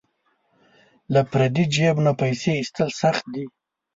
له پردي جیب نه پیسې ایستل سخت دي.